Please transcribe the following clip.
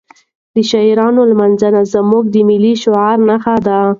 د شاعرانو لمانځنه زموږ د ملي شعور نښه ده.